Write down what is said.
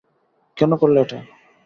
কেন করলে এটা?